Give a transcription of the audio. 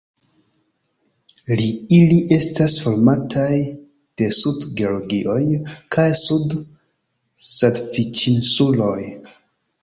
Ili estas formataj de Sud-Georgioj kaj Sud-Sandviĉinsuloj.